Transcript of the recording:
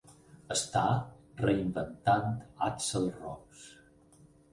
Està "Reinventant Axl Rose".